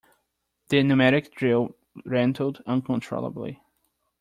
The pneumatic drill rattled uncontrollably.